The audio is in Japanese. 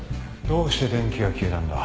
どうして電気が消えたんだ？